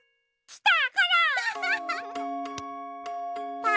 きた！